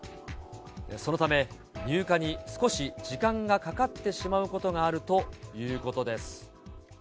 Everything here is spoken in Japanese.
そのため、入荷に少し時間がかかってしまうことがあるということです。